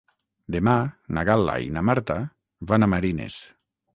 Demà na Gal·la i na Marta van a Marines.